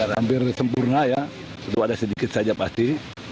hampir sempurna ya sudah ada sedikit saja pasti